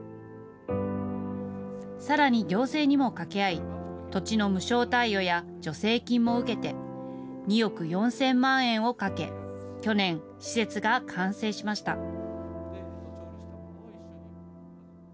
さらに行政にも掛け合い、土地の無償貸与や助成金も受けて、２億４０００万円をかけ、去年、施設が完成しました。